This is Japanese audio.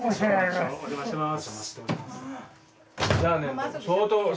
お邪魔してます。